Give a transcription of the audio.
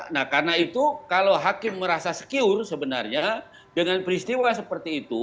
nah karena itu kalau hakim merasa secure sebenarnya dengan peristiwa seperti itu